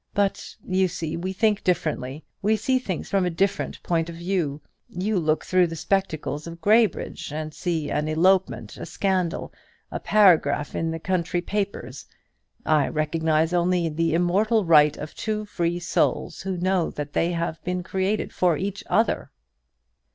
But, you see, we think differently, we see things from a different point of view. You look through the spectacles of Graybridge, and see an elopement, a scandal, a paragraph in the county papers. I recognize only the immortal right of two free souls, who know that they have been created for each other."